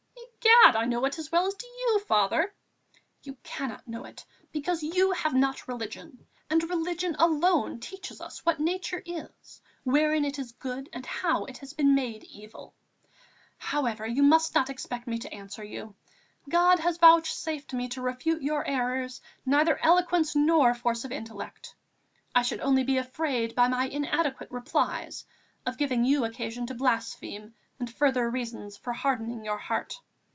"Egad, I know it as well as you do, Father." "You cannot know it, because you have not religion, and religion alone teaches us what Nature is, wherein it is good, and how it has been made evil. However, you must not expect me to answer you; God has vouchsafed me, to refute your errors, neither eloquence nor force of intellect. I should only be afraid, by my inadequate replies, of giving you occasion to blaspheme and further reasons for hardening your heart.